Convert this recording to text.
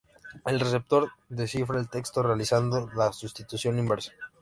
El receptor descifra el texto realizando la sustitución inversa.